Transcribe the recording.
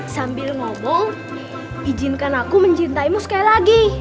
sambil ngomong izinkan aku mencintaimu sekali lagi